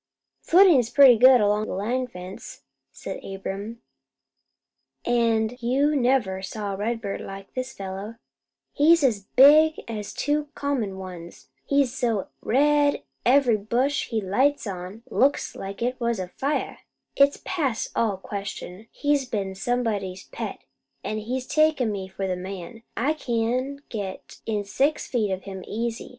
"Footin's pretty good along the line fence," said Abram, "an' you never saw a redbird like this fellow. He's as big as any two common ones. He's so red every bush he lights on looks like it was afire. It's past all question, he's been somebody's pet, an' he's taken me for the man. I can get in six feet of him easy.